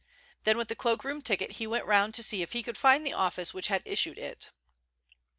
Then with the cloakroom ticket he went round to see if he could find the office which had issued it.